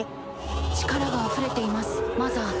力があふれていますマザー。